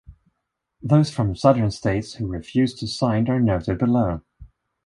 Those from southern States who refused to sign are noted below.